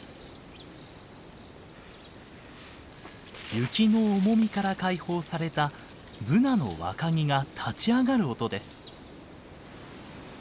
雪の重みから解放されたブナの若木が立ち上がる音です。